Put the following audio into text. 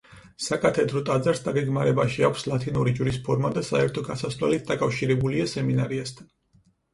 საკათედრო ტაძარს დაგეგმარებაში აქვს ლათინური ჯვრის ფორმა და საერთო გასასვლელით დაკავშირებულია სემინარიასთან.